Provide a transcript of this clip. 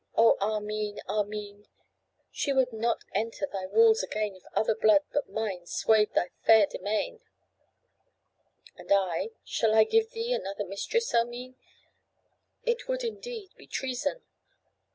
O Armine, Armine! she would not enter thy walls again if other blood but mine swayed thy fair demesne: and I, shall I give thee another mistress, Armine? It would indeed be treason!